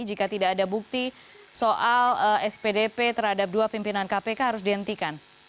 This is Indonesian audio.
jika tidak ada bukti soal spdp terhadap dua pimpinan kpk harus dihentikan